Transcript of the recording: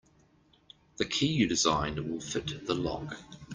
The key you designed will fit the lock.